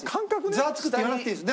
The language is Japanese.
「ザワつく！」って言わなくていいです。